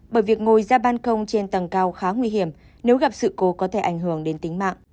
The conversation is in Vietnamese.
bởi việc ngồi ra ban công trên tầng cao khá nguy hiểm nếu gặp sự cố có thể ảnh hưởng đến tính mạng